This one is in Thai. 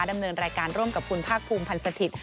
ดำเนินรายการร่วมกับคุณภาคภูมิพันธ์สถิตย์